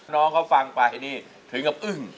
น้องเขาฟังปลายทีนี้ถึงกับอึ้ง